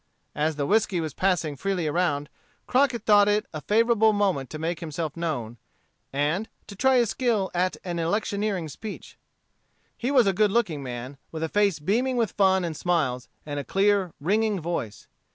As the whiskey was passing freely around, Crockett thought it a favorable moment to make himself known, and to try his skill at an electioneering speech. He was a good looking man, with a face beaming with fun and smiles, and a clear, ringing voice.